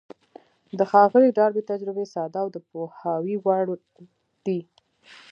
د ښاغلي ډاربي تجربې ساده او د پوهاوي وړ دي.